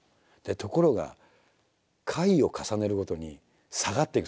ところが回を重ねるごとに下がっていくんですよ